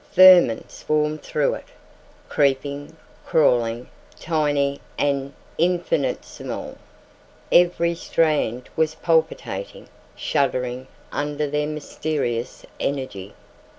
Vermin swarmed through it, creeping, crawling, tiny and infinitesimal. Every strand was palpitating, shuddering under their mysterious energy.